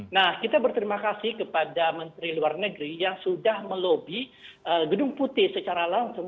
nah kita berterima kasih kepada menteri luar negeri yang sudah melobi gedung putih secara langsung